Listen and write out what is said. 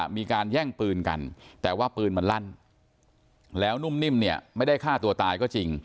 มีการแย่งปืนกันแต่ว่าปืนมันลั่นแล้วนุ่มนิ่มเนี่ยไม่ได้ฆ่าตัวตายก็จริง